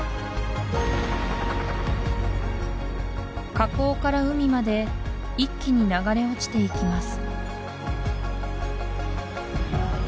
火口から海まで一気に流れ落ちていきます